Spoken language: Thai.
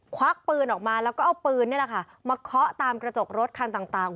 ควักปืนออกมาแล้วก็เอาปืนนี่แหละค่ะมาเคาะตามกระจกรถคันต่าง